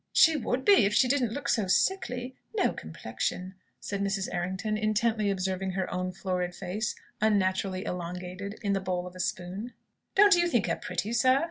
"She would be if she didn't look so sickly. No complexion," said Mrs. Errington, intently observing her own florid face, unnaturally elongated, in the bowl of a spoon. "Don't you think her pretty, sir?"